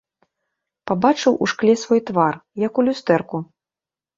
Пабачыў у шкле свой твар, як у люстэрку.